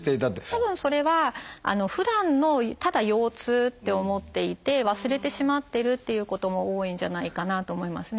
たぶんそれはふだんのただ腰痛って思っていて忘れてしまってるっていうことも多いんじゃないかなと思いますね。